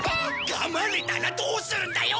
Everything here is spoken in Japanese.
かまれたらどうするんだよ！